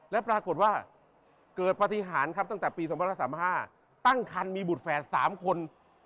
และปรากฏว่าเกิดปฏิหารครับตั้งแต่ปี๒๐๓๕ตั้งคันมีบุตรแฝด๓คน